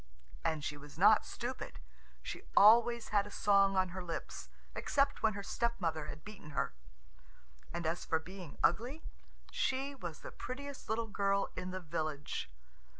And she was not stupid. She always had a song on her lips, except when her stepmother had beaten her. And as for being ugly, she was the prettiest little girl in the village.